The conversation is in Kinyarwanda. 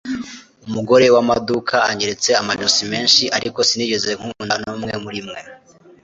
umugore wamaduka anyeretse amajosi menshi, ariko sinigeze nkunda numwe murimwe